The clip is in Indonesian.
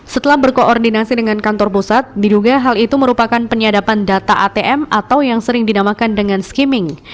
setelah berkoordinasi dengan kantor pusat diduga hal itu merupakan penyadapan data atm atau yang sering dinamakan dengan skimming